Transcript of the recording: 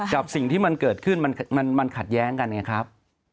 กับสิ่งที่มันเกิดขึ้นมันขัดแย้งกันไงครับ